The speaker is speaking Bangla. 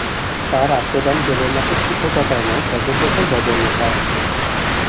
তাঁর আত্মদান কেবলমাত্র শিক্ষকতায় নয়, সর্বপ্রকার বদান্যতায়।